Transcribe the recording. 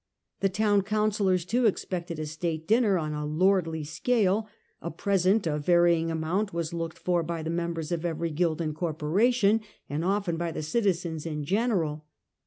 The town coun cillors too expected a state dinner on a lordly scale ; a present of varying amount was looked for by the mem bers of every guild and corporation, and often by the citizens in general.